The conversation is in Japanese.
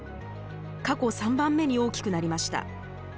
過去３番目に大きくなりました。